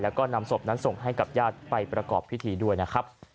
แล้วก็นำศพนั้นส่งให้กับญาติไปประกอบพิธีด้วยนะครับ